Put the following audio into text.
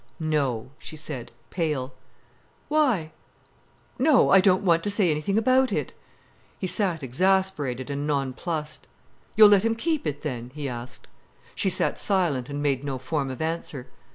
"No," she said, pale. "Why?" "No—I don't want to say anything about it." He sat exasperated and nonplussed. "You'll let him keep it, then?" he asked. She sat silent and made no form of answer.